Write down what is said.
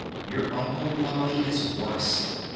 Your Uncle Wally is worse!